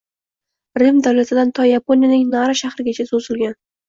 Rim davlatidan to Yaponiyaning Nara shahrigacha choʻzilgan.